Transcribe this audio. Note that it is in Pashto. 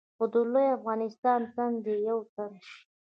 خو د لوی افغانستان تن دې یو تن شي.